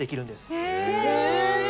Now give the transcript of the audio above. へえ！